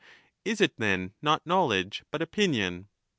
^ Is it then not knowledge, but opinion